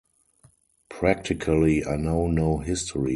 Practically I know no history.